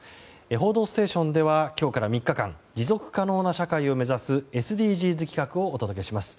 「報道ステーション」では今日から３日間持続可能な社会を目指すＳＤＧｓ企画をお送りします。